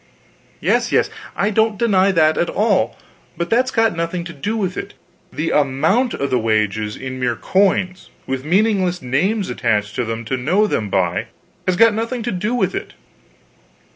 "Yes yes, I don't deny that at all. But that's got nothing to do with it; the amount of the wages in mere coins, with meaningless names attached to them to know them by, has got nothing to do with it.